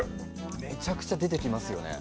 めちゃくちゃ出てきますよね。